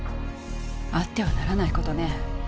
あってはならない事ね。